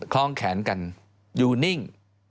คลองแขนกันอยู่นิ่ง